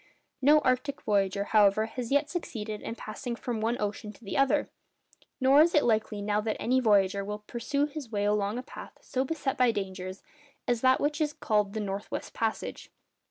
No arctic voyager, however, has yet succeeded in passing from one ocean to the other. Nor is it likely now that any voyager will pursue his way along a path so beset by dangers as that which is called the north west passage.